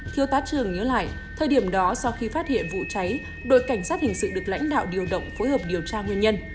thiếu tá trường nhớ lại thời điểm đó sau khi phát hiện vụ cháy đội cảnh sát hình sự được lãnh đạo điều động phối hợp điều tra nguyên nhân